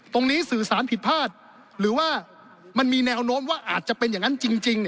สื่อสารผิดพลาดหรือว่ามันมีแนวโน้มว่าอาจจะเป็นอย่างนั้นจริง